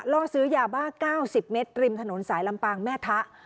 ล่อซื้อยาบ้า๙๐เมตรริมถนนสายลำปางแม่ทะ